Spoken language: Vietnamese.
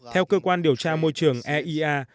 theo cơ quan điều tra môi trường eia